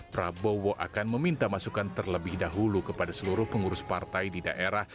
prabowo akan meminta masukan terlebih dahulu kepada seluruh pengurus partai di daerah